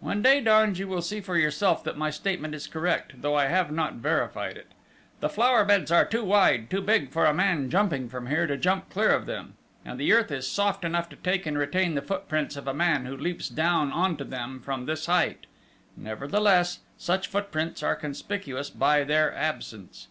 When day dawns you will see for yourself that my statement is correct, though I have not verified it! The flower beds are too wide, too big, for a man jumping from here, to jump clear of them! And the earth is soft enough to take and retain the footprints of a man who leaps down on to them from this height!... Nevertheless, such footprints are conspicuous by their absence!"